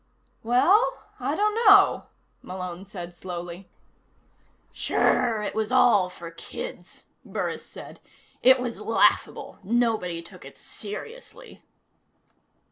"Well, I don't know," Malone said slowly. "Sure it was all for kids," Burris said. "It was laughable. Nobody took it seriously."